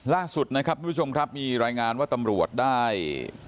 ล่าสุดนะครับทุกผู้ชมครับมีรายงานว่าตำรวจได้